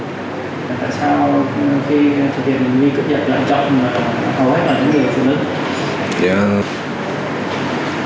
tại sao khi cấp giật